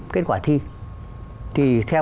kết quả thi thì theo